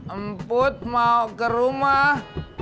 emput mau ke rumah